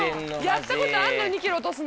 やったことあんの？